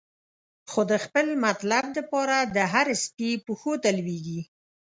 خو د خپل مطلب د پاره، د هر سپی پښو ته لویږی